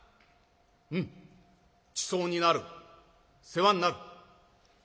「うん。ちそうになる世話になる」。